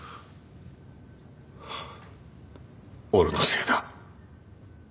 俺のせいだ。